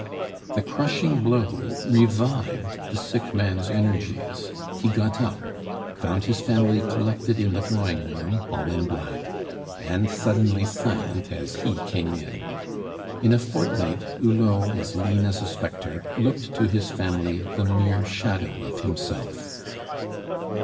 The crushing blow revived the sick man's energies. He got up, found his family collected in the drawing room, all in black, and suddenly silent as he came in. In a fortnight, Hulot, as lean as a spectre, looked to his family the mere shadow of himself.